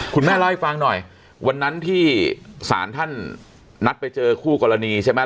คุณแม่เล่าให้ฟังหน่อยวันนั้นที่ศาลท่านนัดไปเจอคู่กรณีใช่ไหม